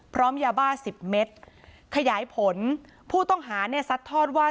พร้อมยาบ้าสิบเมตรขยายผลผู้ต้องหาเนี่ยซัดทอดว่า